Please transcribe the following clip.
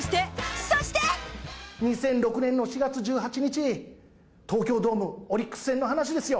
２００６年の４月１８日、東京ドーム、オリックス戦の話ですよ。